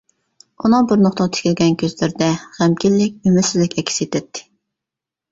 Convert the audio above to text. ئۇنىڭ بىر نۇقتىغا تىكىلگەن كۆزلىرىدە غەمكىنلىك، ئۈمىدسىزلىك ئەكس ئېتەتتى.